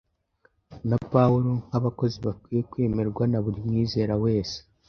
na Pawulo nk’abakozi bakwiye kwemerwa na buri mwizera wese.